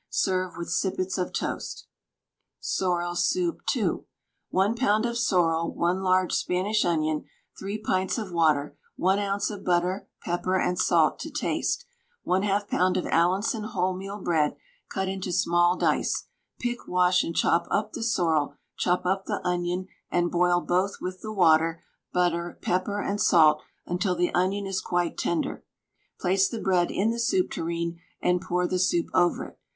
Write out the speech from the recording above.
Serve with sippets of toast. SORREL SOUP (2). 1 lb. of sorrel, 1 large Spanish onion, 3 pints of water, 1 oz. of butter, pepper and salt to taste, 1/2 lb. of Allinson wholemeal bread cut into small dice. Pick, wash, and chop up the sorrel, chop up the onion, and boil both with the water, butter, pepper, and salt until the onion is quite tender. Place the bread in the soup tureen and pour the soup over it.